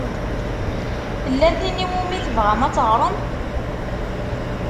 Tella tin i wumi tebɣam ad teɣṛem?